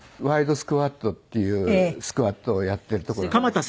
ワイドスクワットっていうスクワットをやってるとこなんですね。